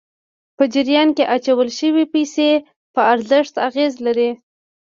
په جریان کې اچول شويې پیسې په ارزښت اغېز لري.